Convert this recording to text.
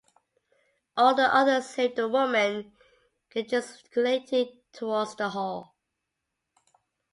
All the others save the woman gesticulated towards the hall.